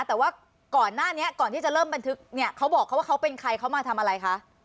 แต่ว่าก่อนหน้านี้ก่อนที่จะเริ่มบันทึกเนี่ยเขาบอกเขาว่าเขาเป็นใครเขามาทำอะไรคะ